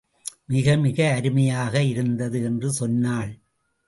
மிகமிக அருமையாக இருந்தது என்று சொன்னாள்.